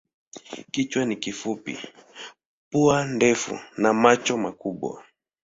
Kichwa ni kifupi, pua ndefu na macho makubwa.